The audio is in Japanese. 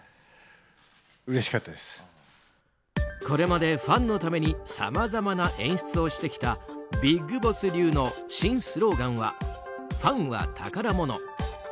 これまでも、ファンのためにさまざまな演出をしてきたビッグボス流の新スローガンはファンは宝物。